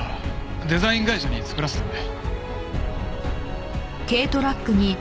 デザイン会社に作らせたんで。